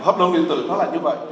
hợp đồng điện tử nó là như vậy